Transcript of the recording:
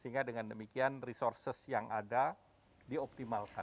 sehingga dengan demikian resources yang ada dioptimalkan